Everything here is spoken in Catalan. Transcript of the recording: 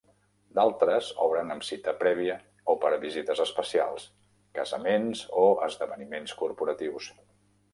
D'altres obren amb cita prèvia o per a visites especials, casaments o esdeveniments corporatius.